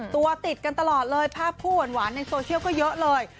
ตัวติดกันตลอดเลยภาพคู่หวานในโซเชียลก็เยอะเลย